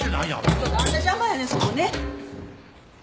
ちょっとあんた邪魔やねんそこね。